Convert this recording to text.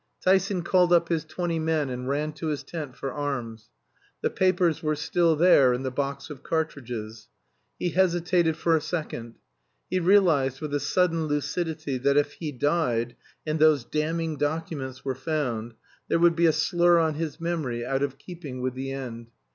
Tyson called up his twenty men and ran to his tent for arms. The papers were still there in the box of cartridges. He hesitated for a second. He realized with a sudden lucidity that if he died, and those damning documents were found, there would be a slur on his memory out of keeping with the end.